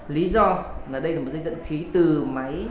lý do là đây là một dây dẫn khí từ máy